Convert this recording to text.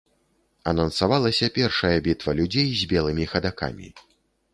Анансавалася першая бітва людзей з белымі хадакамі.